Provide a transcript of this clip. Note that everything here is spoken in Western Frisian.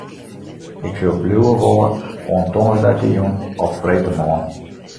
Ik soe bliuwe wolle oant tongersdeitejûn of freedtemoarn.